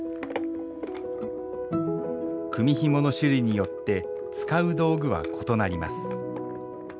組みひもの種類によって使う道具は異なります。